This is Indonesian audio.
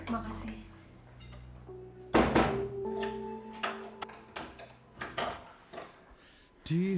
masih mau keores ores